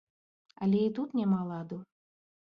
Але і тут няма ладу.